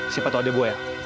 siapa tuh adik gue ya